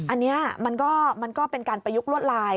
อันนี้มันก็เป็นการประยุกลวดลาย